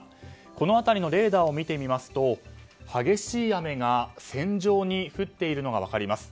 この辺りのレーダーを見てみますと激しい雨が線状に降っているのが分かります。